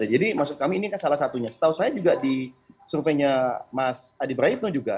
jadi maksud kami ini salah satunya setahu saya juga di surveinya mas adi braidno juga